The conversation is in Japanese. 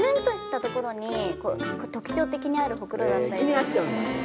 気になっちゃうんだ。